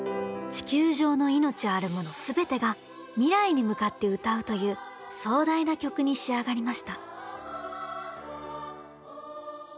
地球上の命あるもの全てが未来に向かって歌うという壮大な曲に仕上がりました。